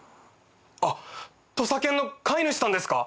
あっ土佐犬の飼い主さんですか？